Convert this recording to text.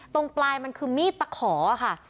ตรงปลายมันคือมีดตะขอค่ะ